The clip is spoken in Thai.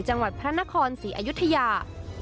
จังหวัดพระนครศรีอยุธยา